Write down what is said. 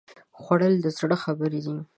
خوړل د زړه خبرې دي